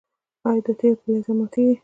ایا دا تیږه په لیزر ماتیږي؟